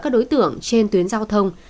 các đối tượng trên tuyến giao thông